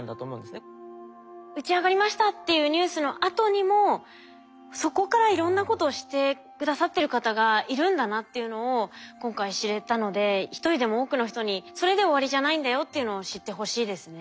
「打ち上がりました」っていうニュースのあとにもそこからいろんなことをして下さってる方がいるんだなっていうのを今回知れたので一人でも多くの人にっていうのを知ってほしいですね。